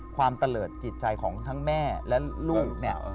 ความตะเลิศจิตใจของทั้งแม่และลูก